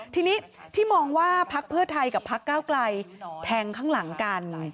ทีนี้ที่มองว่าพักเพื่อไทยกับพักเก้าไกลแทงข้างหลังกัน